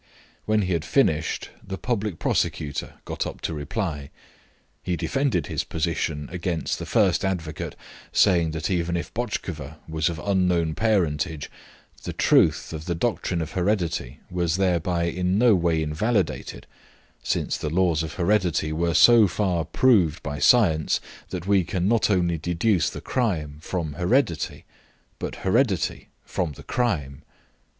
When he had finished the public prosecutor got up to reply. He defended his position against the first advocate, saying that even if Botchkova was of unknown parentage the truth of the doctrine of heredity was thereby in no way invalidated, since the laws of heredity were so far proved by science that we can not only deduce the crime from heredity, but heredity from the crime.